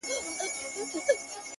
هغه به څرنګه بلا وویني ـ